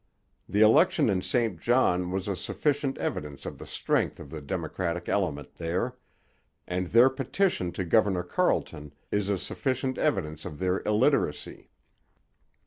The election in St John was a sufficient evidence of the strength of the democratic element there; and their petition to Governor Carleton is a sufficient evidence of their illiteracy.